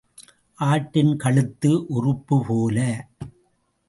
ஆட்டின் கழுத்து உறுப்புப் போல.